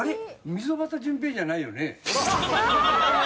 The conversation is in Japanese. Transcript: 溝端淳平じゃないよね。